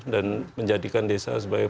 dan menjadikan desa sebagai